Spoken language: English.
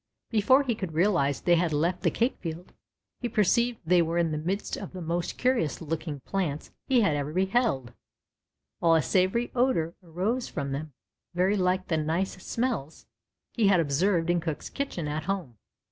Before he could realize they had left the cake field, he perceived they were in the midst of the most curious looking plants he had ever beheld, while a savory odor arose from them very like the nice smells he had observed in cook's kitchen at home.